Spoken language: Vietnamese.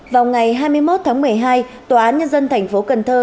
vào ngày hai mươi một tháng một mươi hai tòa án nhân dân thành phố cần thơ